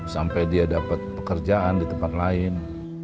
sampai dia dapat pekerjaan di tempat lain